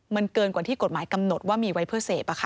มันเกินกว่าที่กฎหมายกำหนดว่ามีไว้เพื่อเสพ